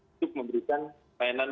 untuk memberikan layanan